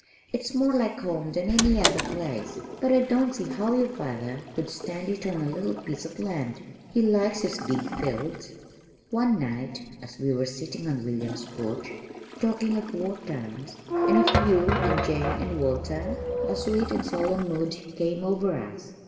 "It's more like home than any other place. But I don't see how your father could stand it on a little piece of land. He likes his big fields." One night as we were sitting on William's porch, talking of war times and of Hugh and Jane and Walter, a sweet and solemn mood came over us.